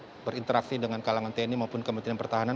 dan berinteraksi dengan kalangan tni maupun kementerian pertahanan